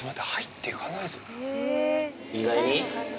意外に？